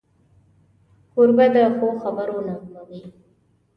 کوربه د ښو خبرو نغمه وي.